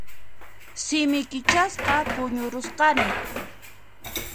Simi kichasqa puñurusqani.